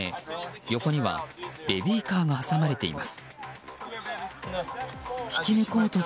横にはベビーカーが挟まれています。